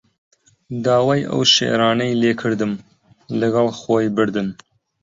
داوای ئەو شیعرانەی لێ کردم، لەگەڵ خۆی بردن